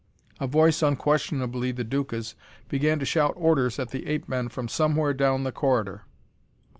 A voice unquestionably the Duca's began to shout orders at the ape men from somewhere down the corridor!